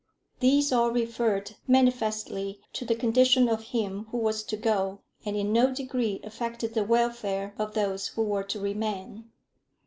These all referred manifestly to the condition of him who was to go, and in no degree affected the welfare of those who were to remain.